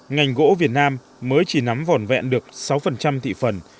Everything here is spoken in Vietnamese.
ngành gỗ việt nam mới chỉ nắm vỏn vẹn được sáu thị phần